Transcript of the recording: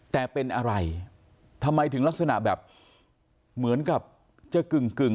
แต่เป็นอะไรทำไมถึงลักษณะแบบเหมือนกับจะกึ่ง